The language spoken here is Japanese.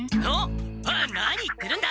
あ何言ってるんだ！